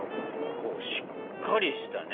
こうしっかりしたね